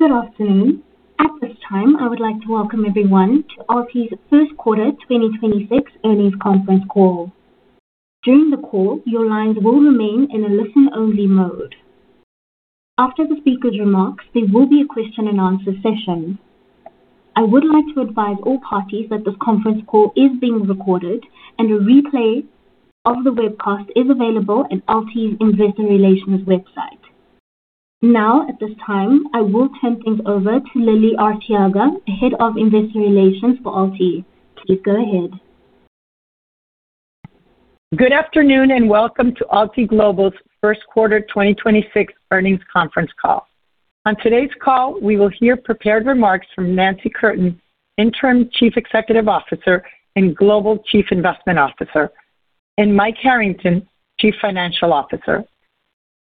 Good afternoon. At this time, I would like to welcome everyone to AlTi's first quarter 2026 earnings conference call. During the call, your lines will remain in a listen-only mode. After the speaker's remarks, there will be a question and answer session. I would like to advise all parties that this conference call is being recorded, and a replay of the webcast is available at AlTi's investor relations website. Now, at this time, I will turn things over to Lily Arteaga, Head of Investor Relations for AlTi. Please go ahead. Good afternoon, and welcome to AlTi Global's first quarter 2026 earnings conference call. On today's call, we will hear prepared remarks from Nancy Curtin, interim Chief Executive Officer and Global Chief Investment Officer, and Mike Harrington, Chief Financial Officer.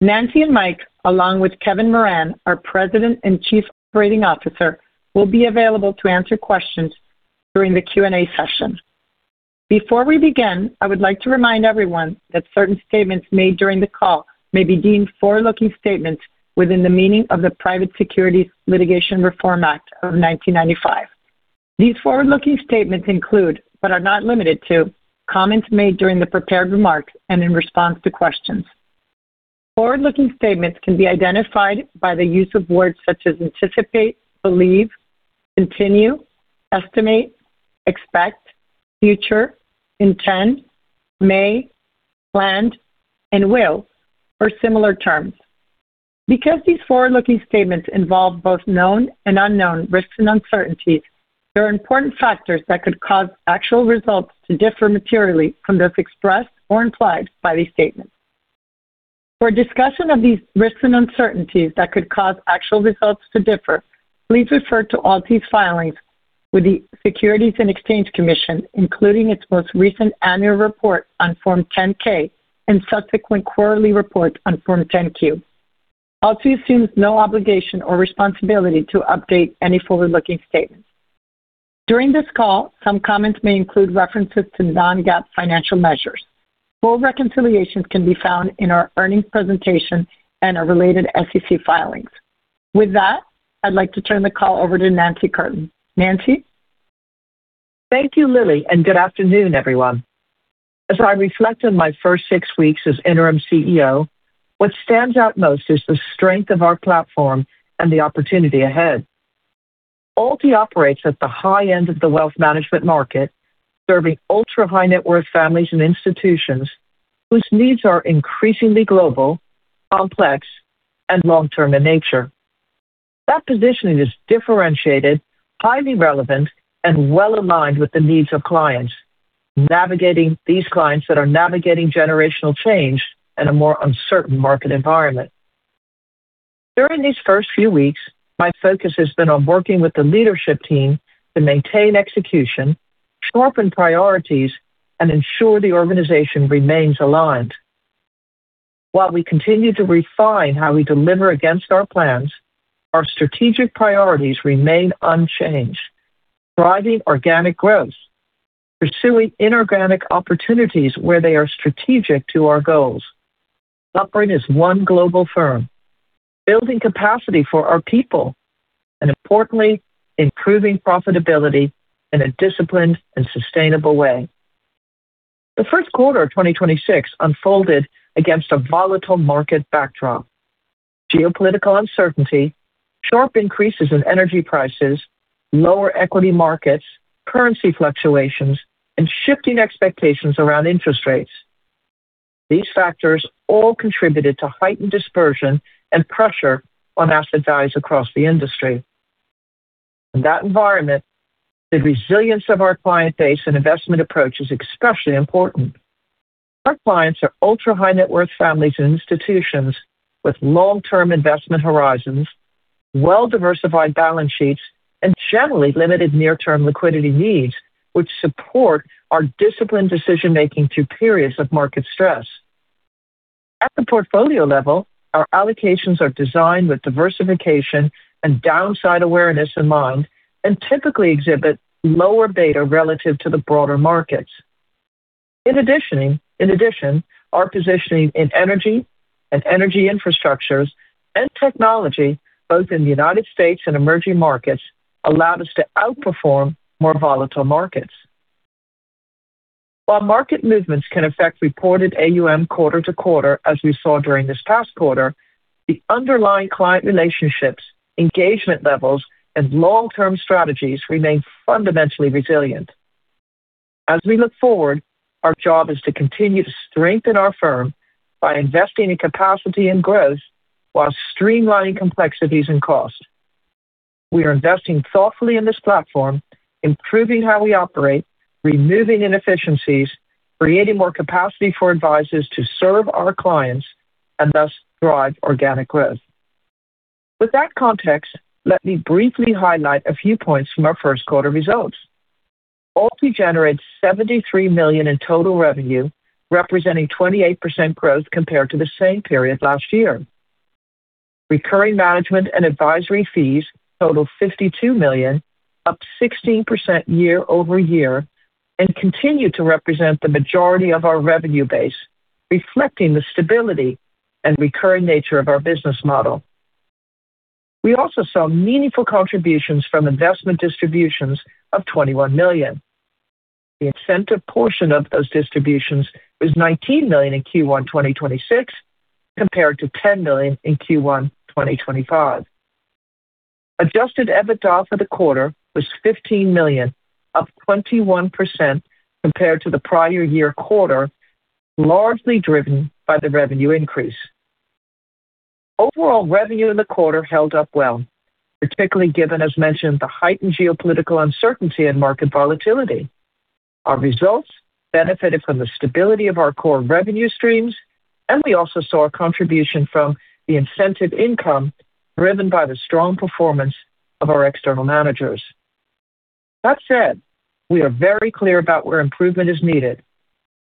Nancy and Mike, along with Kevin Moran, our President and Chief Operating Officer, will be available to answer questions during the Q&A session. Before we begin, I would like to remind everyone that certain statements made during the call may be deemed forward-looking statements within the meaning of the Private Securities Litigation Reform Act of 1995. These forward-looking statements include, but are not limited to, comments made during the prepared remarks and in response to questions. Forward-looking statements can be identified by the use of words such as anticipate, believe, continue, estimate, expect, future, intend, may, planned, and will, or similar terms. Because these forward-looking statements involve both known and unknown risks and uncertainties, there are important factors that could cause actual results to differ materially from those expressed or implied by these statements. For a discussion of these risks and uncertainties that could cause actual results to differ, please refer to AlTi's filings with the Securities and Exchange Commission, including its most recent annual report on Form 10-K and subsequent quarterly report on Form 10-Q. AlTi assumes no obligation or responsibility to update any forward-looking statements. During this call, some comments may include references to non-GAAP financial measures. Full reconciliations can be found in our earnings presentation and our related SEC filings. With that, I'd like to turn the call over to Nancy Curtin. Nancy. Thank you, Lily, and good afternoon, everyone. As I reflect on my first 6 weeks as interim CEO, what stands out most is the strength of our platform and the opportunity ahead. AlTi operates at the high end of the wealth management market, serving ultra-high-net-worth families and institutions whose needs are increasingly global, complex, and long-term in nature. That positioning is differentiated, highly relevant, and well-aligned with the needs of clients. These clients that are navigating generational change in a more uncertain market environment. During these first few weeks, my focus has been on working with the leadership team to maintain execution, sharpen priorities, and ensure the organization remains aligned. While we continue to refine how we deliver against our plans, our strategic priorities remain unchanged. Driving organic growth, pursuing inorganic opportunities where they are strategic to our goals. Operating as one global firm. Building capacity for our people, and importantly, improving profitability in a disciplined and sustainable way. The first quarter of 2026 unfolded against a volatile market backdrop. Geopolitical uncertainty, sharp increases in energy prices, lower equity markets, currency fluctuations, and shifting expectations around interest rates. These factors all contributed to heightened dispersion and pressure on asset values across the industry. In that environment, the resilience of our client base and investment approach is especially important. Our clients are ultra-high-net-worth families and institutions with long-term investment horizons, well-diversified balance sheets, and generally limited near-term liquidity needs, which support our disciplined decision-making through periods of market stress. At the portfolio level, our allocations are designed with diversification and downside awareness in mind and typically exhibit lower beta relative to the broader markets. In addition, our positioning in energy and energy infrastructures and technology, both in the U.S. and emerging markets, allowed us to outperform more volatile markets. While market movements can affect reported AUM quarter to quarter, as we saw during this past quarter, the underlying client relationships, engagement levels, and long-term strategies remain fundamentally resilient. As we look forward, our job is to continue to strengthen our firm by investing in capacity and growth while streamlining complexities and costs. We are investing thoughtfully in this platform, improving how we operate, removing inefficiencies, creating more capacity for advisors to serve our clients, and thus drive organic growth. With that context, let me briefly highlight a few points from our first quarter results. AlTi generates $73 million in total revenue, representing 28% growth compared to the same period last year. Recurring management and advisory fees totaled $52 million, up 16% year-over-year, and continue to represent the majority of our revenue base. Reflecting the stability and recurring nature of our business model. We also saw meaningful contributions from investment distributions of $21 million. The incentive portion of those distributions was $19 million in Q1 2026, compared to $10 million in Q1 2025. Adjusted EBITDA for the quarter was $15 million, up 21% compared to the prior year quarter, largely driven by the revenue increase. Overall revenue in the quarter held up well, particularly given, as mentioned, the heightened geopolitical uncertainty and market volatility. Our results benefited from the stability of our core revenue streams, and we also saw a contribution from the incentive income driven by the strong performance of our external managers. That said, we are very clear about where improvement is needed.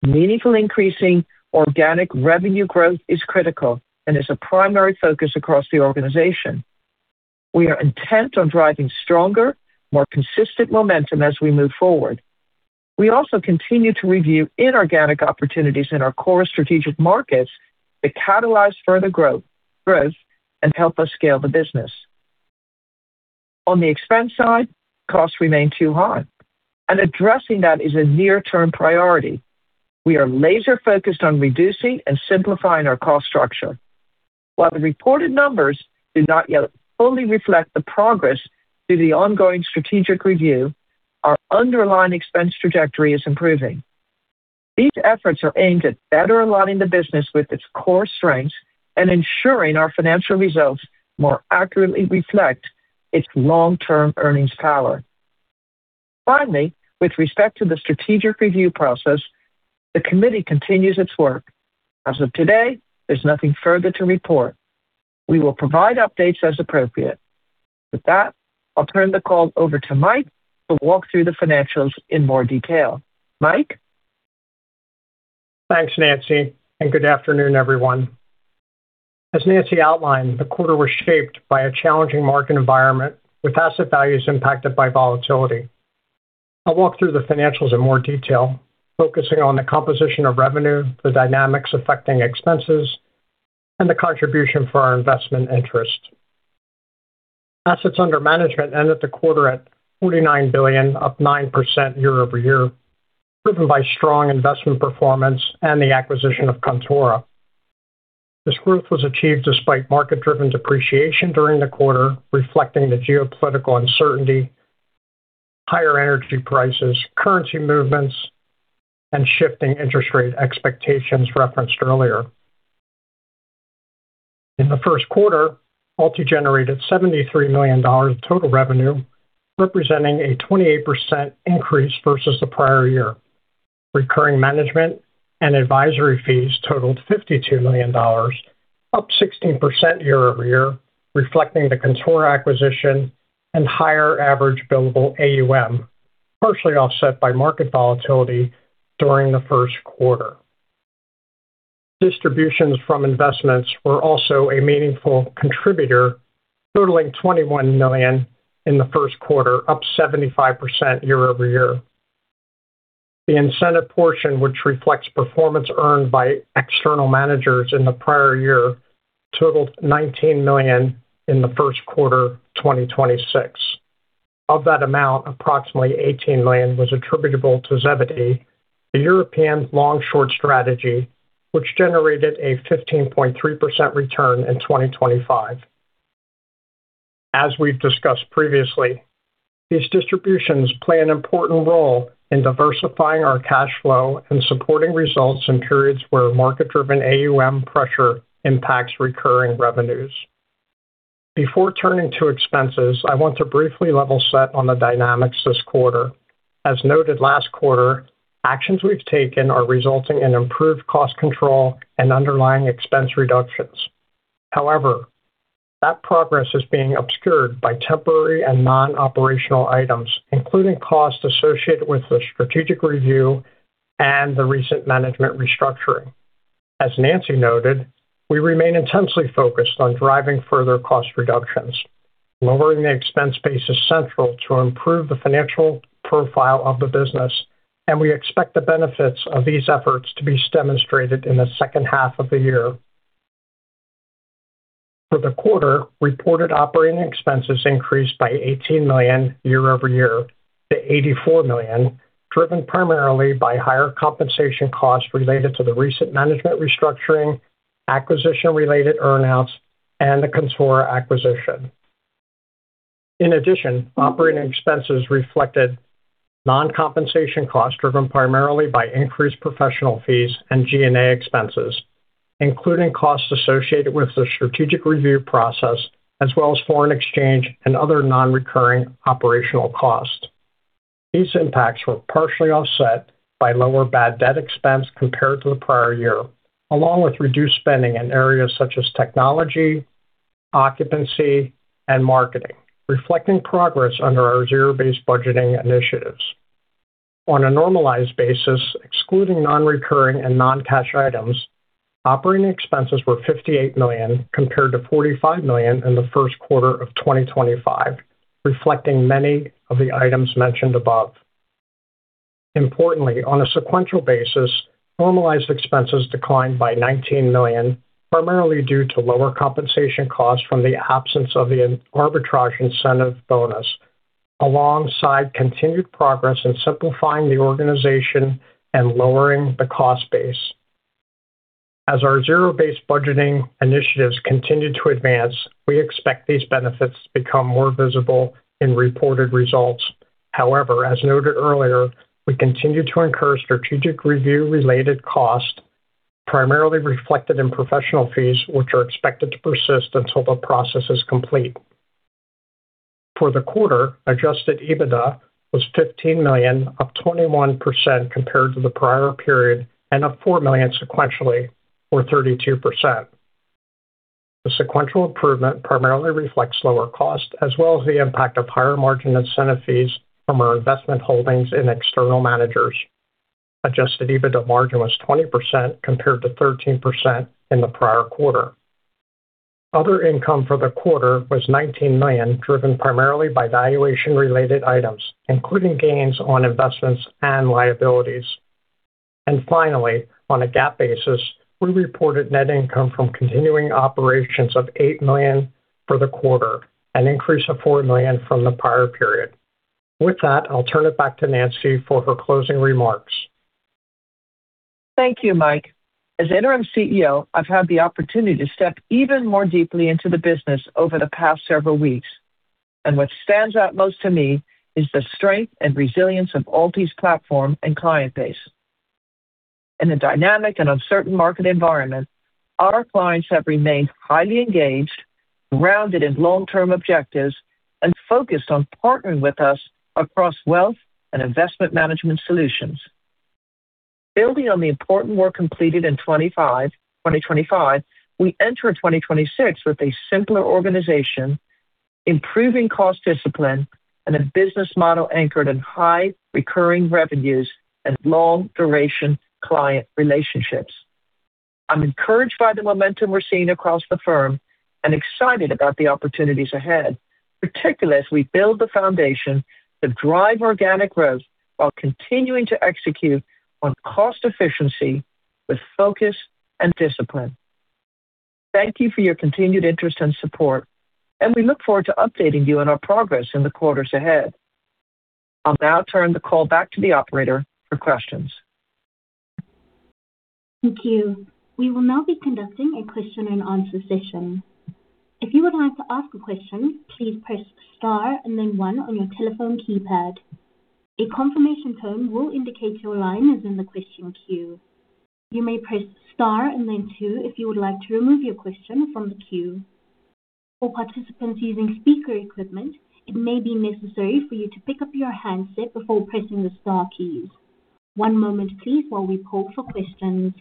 Meaningfully increasing organic revenue growth is critical and is a primary focus across the organization. We are intent on driving stronger, more consistent momentum as we move forward. We also continue to review inorganic opportunities in our core strategic markets to catalyze further growth and help us scale the business. On the expense side, costs remain too high, and addressing that is a near-term priority. We are laser-focused on reducing and simplifying our cost structure. While the reported numbers do not yet fully reflect the progress through the ongoing strategic review, our underlying expense trajectory is improving. These efforts are aimed at better aligning the business with its core strengths and ensuring our financial results more accurately reflect its long-term earnings power. Finally, with respect to the strategic review process, the committee continues its work. As of today, there's nothing further to report. We will provide updates as appropriate. With that, I'll turn the call over to Mike to walk through the financials in more detail. Mike? Thanks, Nancy, and good afternoon, everyone. As Nancy outlined, the quarter was shaped by a challenging market environment with asset values impacted by volatility. I'll walk through the financials in more detail, focusing on the composition of revenue, the dynamics affecting expenses, and the contribution for our investment interest. Assets under management ended the quarter at $49 billion, up 9% year-over-year, driven by strong investment performance and the acquisition of Kontora. This growth was achieved despite market-driven depreciation during the quarter, reflecting the geopolitical uncertainty, higher energy prices, currency movements, and shifting interest rate expectations referenced earlier. In the first quarter, AlTi generated $73 million total revenue, representing a 28% increase versus the prior year. Recurring management and advisory fees totaled $52 million, up 16% year-over-year, reflecting the Kontora acquisition and higher average billable AUM, partially offset by market volatility during the first quarter. Distributions from investments were also a meaningful contributor, totaling $21 million in the first quarter, up 75% year-over-year. The incentive portion, which reflects performance earned by external managers in the prior year, totaled $19 million in the first quarter 2026. Of that amount, approximately $18 million was attributable to Zevity, the European long-short strategy, which generated a 15.3% return in 2025. As we've discussed previously, these distributions play an important role in diversifying our cash flow and supporting results in periods where market-driven AUM pressure impacts recurring revenues. Before turning to expenses, I want to briefly level set on the dynamics this quarter. As noted last quarter, actions we've taken are resulting in improved cost control and underlying expense reductions. That progress is being obscured by temporary and non-operational items, including costs associated with the strategic review and the recent management restructuring. As Nancy noted, we remain intensely focused on driving further cost reductions. Lowering the expense base is central to improve the financial profile of the business, and we expect the benefits of these efforts to be demonstrated in the second half of the year. For the quarter, reported operating expenses increased by $18 million year-over-year to $84 million, driven primarily by higher compensation costs related to the recent management restructuring, acquisition-related earn-outs, and the Kontora acquisition. In addition, operating expenses reflected non-compensation costs driven primarily by increased professional fees and G&A expenses, including costs associated with the strategic review process, as well as foreign exchange and other non-recurring operational costs. These impacts were partially offset by lower bad debt expense compared to the prior year, along with reduced spending in areas such as technology, occupancy, and marketing, reflecting progress under our zero-based budgeting initiatives. On a normalized basis, excluding non-recurring and non-cash items, operating expenses were $58 million compared to $45 million in the first quarter of 2025, reflecting many of the items mentioned above. Importantly, on a sequential basis, normalized expenses declined by $19 million, primarily due to lower compensation costs from the absence of the Tiedemann Arbitrage incentive bonus, alongside continued progress in simplifying the organization and lowering the cost base. As our zero-based budgeting initiatives continue to advance, we expect these benefits to become more visible in reported results. As noted earlier, we continue to incur strategic review related costs, primarily reflected in professional fees, which are expected to persist until the process is complete. For the quarter, adjusted EBITDA was $15 million, up 21% compared to the prior period and up $4 million sequentially, or 32%. The sequential improvement primarily reflects lower cost as well as the impact of higher margin incentive fees from our investment holdings in external managers. Adjusted EBITDA margin was 20% compared to 13% in the prior quarter. Other income for the quarter was $19 million, driven primarily by valuation-related items, including gains on investments and liabilities. Finally, on a GAAP basis, we reported net income from continuing operations of $8 million for the quarter, an increase of $4 million from the prior period. With that, I'll turn it back to Nancy for her closing remarks. Thank you, Mike. As Interim CEO, I've had the opportunity to step even more deeply into the business over the past several weeks. What stands out most to me is the strength and resilience of AlTi's platform and client base. In a dynamic and uncertain market environment, our clients have remained highly engaged, grounded in long-term objectives, and focused on partnering with us across wealth and investment management solutions. Building on the important work completed in 2025, we enter 2026 with a simpler organization, improving cost discipline and a business model anchored in high recurring revenues and long-duration client relationships. I'm encouraged by the momentum we're seeing across the firm and excited about the opportunities ahead, particularly as we build the foundation to drive organic growth while continuing to execute on cost efficiency with focus and discipline. Thank you for your continued interest and support, and we look forward to updating you on our progress in the quarters ahead. I'll now turn the call back to the operator for questions. Thank you. We will now be conducting a question and answer session. If you would like to ask a question, please press star and then one on your telephone keypad. A confirmation tone will indicate your line is in the question queue. You may press star and then two if you would like to remove your question from the queue. For participants using speaker equipment, it may be necessary for you to pick up your handset before pressing the star keys. One moment please while we poll for questions.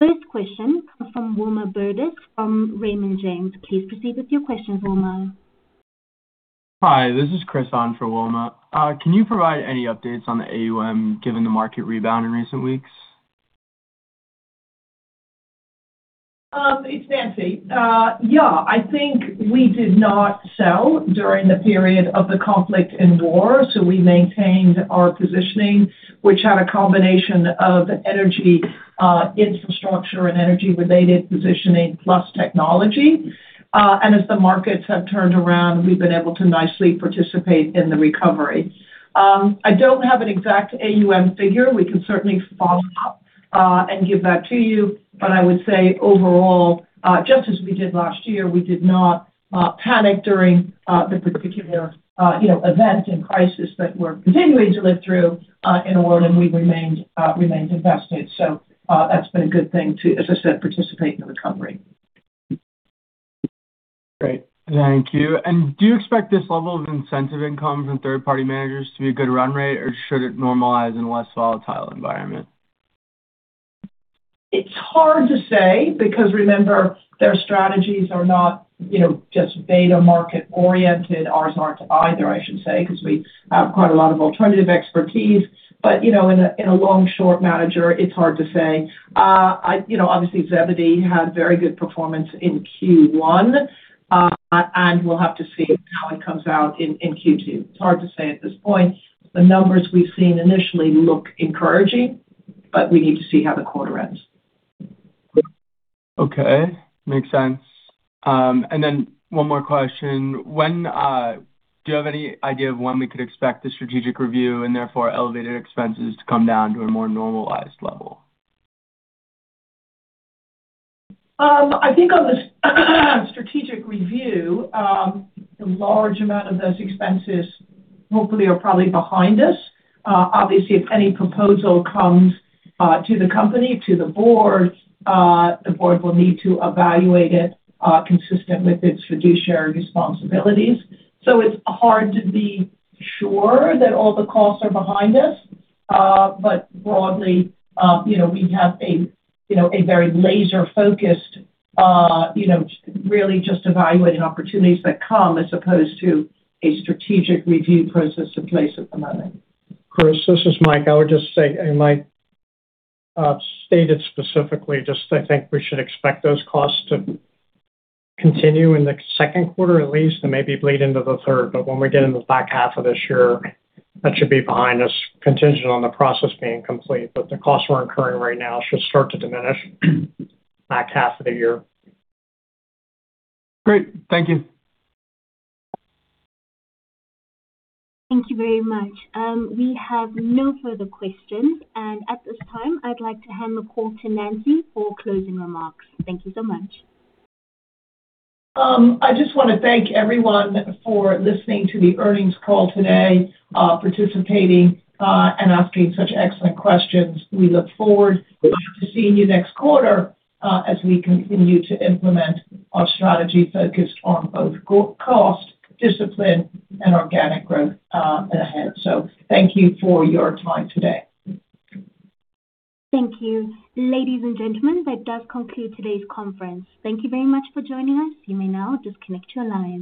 First question comes from Wilma Burdis from Raymond James. Please proceed with your questions, Wilma. Hi, this is Chris on for Wilma. Can you provide any updates on the AUM given the market rebound in recent weeks? It's Nancy. Yeah. I think we did not sell during the period of the conflict and war, so we maintained our positioning, which had a combination of energy, infrastructure and energy-related positioning plus technology. As the markets have turned around, we've been able to nicely participate in the recovery. I don't have an exact AUM figure. We can certainly follow up and give that to you. I would say overall, just as we did last year, we did not panic during the particular, you know, event and crisis that we're continuing to live through in a world, and we remained invested. That's been a good thing to, as I said, participate in the recovery. Great. Thank you. Do you expect this level of incentive income from third-party managers to be a good run rate, or should it normalize in a less volatile environment? It's hard to say because remember, their strategies are not, you know, just beta market-oriented. Ours aren't either, I should say, because we have quite a lot of alternative expertise. You know, in a, in a long-short manager, it's hard to say. You know, obviously, Zevity had very good performance in Q1, and we'll have to see how it comes out in Q2. It's hard to say at this point. The numbers we've seen initially look encouraging, but we need to see how the quarter ends. Okay. Makes sense. One more question. Do you have any idea of when we could expect the strategic review and therefore elevated expenses to come down to a more normalized level? I think on the strategic review, a large amount of those expenses hopefully are probably behind us. Obviously, if any proposal comes to the company, to the Board, the Board will need to evaluate it consistent with its fiduciary responsibilities. It's hard to be sure that all the costs are behind us. Broadly, you know, we have a, you know, a very laser-focused, you know, really just evaluating opportunities that come as opposed to a strategic review process in place at the moment. Chris, this is Mike. I would just say, and Mike, stated specifically, just I think we should expect those costs to continue in the second quarter at least, and maybe bleed into the third. When we get in the back half of this year, that should be behind us, contingent on the process being complete. The costs we're incurring right now should start to diminish back half of the year. Great. Thank you. Thank you very much. We have no further questions. At this time, I'd like to hand the call to Nancy for closing remarks. Thank you so much. I just want to thank everyone for listening to the earnings call today, participating and asking such excellent questions. We look forward to seeing you next quarter, as we continue to implement our strategy focused on both cost discipline and organic growth ahead. Thank you for your time today. Thank you. Ladies and gentlemen, that does conclude today's conference. Thank you very much for joining us. You may now disconnect your lines.